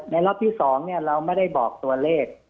ในรอบที่๒เนี่ยเราไม่ได้บอกตัวเลข